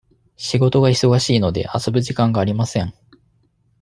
仕事が忙しいので、遊ぶ時間がありません。